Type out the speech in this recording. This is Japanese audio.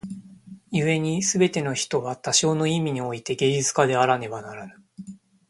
故に凡ての人は多少の意味に於て芸術家であらねばならぬ。